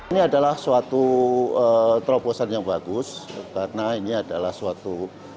ini adalah suatu terobosan yang bagus karena ini adalah suatu